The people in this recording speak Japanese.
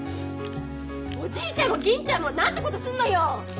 おじいちゃんも銀ちゃんもなんてことすんのよ！